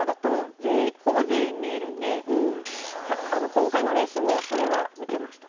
今回のレースもそれは見てました。